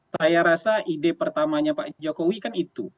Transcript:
saya rasa ide pertamanya pak jokowi kan itu